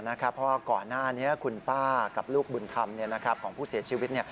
เพราะว่าก่อนหน้านี้คุณป้ากับลูกบุญธรรมของผู้เสียชีวิต